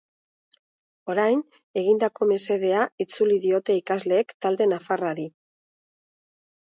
Orain, egindako mesedea itzuli diote ikasleek talde nafarrari.